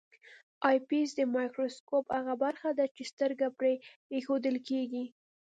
آی پیس د مایکروسکوپ هغه برخه ده چې سترګه پرې ایښودل کیږي.